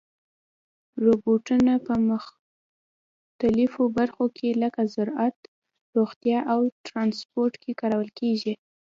روبوټونه په مختلفو برخو کې لکه زراعت، روغتیا او ترانسپورت کې کارول کېږي.